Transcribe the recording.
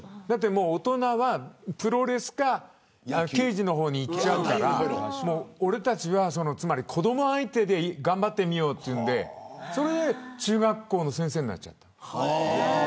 大人はプロレスか刑事の方にいっちゃうから俺たちは子ども相手で頑張ってみようというのでそれで中学校の先生になっちゃった。